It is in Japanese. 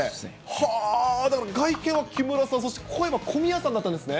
はぁ、だから外見は木村さん、そして声が小宮さんだったんですね。